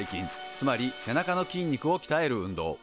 つまり背中の筋肉をきたえる運動。